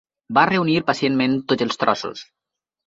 Va reunir pacientment tots els trossos.